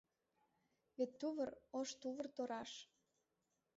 Вет тувыр, ош тувыр тораш